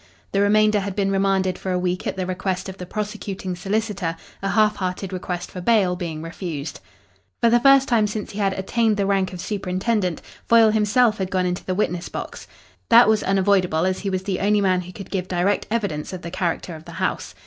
The remainder had been remanded for a week at the request of the prosecuting solicitor, a half hearted request for bail being refused. For the first time since he had attained the rank of superintendent, Foyle himself had gone into the witness box. That was unavoidable, as he was the only man who could give direct evidence of the character of the house.